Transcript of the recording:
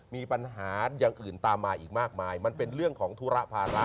มีปัญหาอย่างอื่นตามมาอีกมากมายมันเป็นเรื่องของธุระภาระ